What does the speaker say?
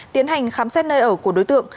tiến hành khám xét nơi ở của đối tượng